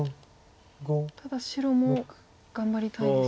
ただ白も頑張りたいですよね。